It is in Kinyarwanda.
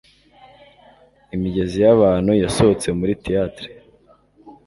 Imigezi yabantu yasohotse muri theatre.